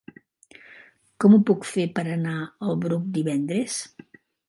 Com ho puc fer per anar al Bruc divendres?